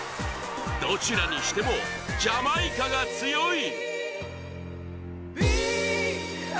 どちらにしてもジャマイカが強い。